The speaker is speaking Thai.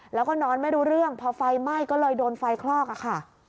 แล้วก็นอนไม่รู้เรื่องพอไฟไหม้ก็เลยโดนไฟคลอกอะค่ะ